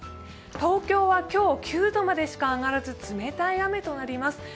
東京は今日９度までしか上がらず冷たい雨となります。